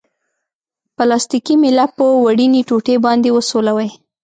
پلاستیکي میله په وړیني ټوټې باندې وسولوئ.